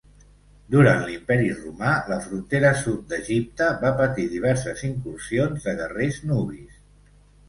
Durant l'Imperi romà, la frontera sud d'Egipte va patir diverses incursions de guerrers nubis.